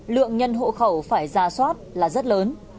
lượng nhân hộ khẩu phải ra soát là rất lớn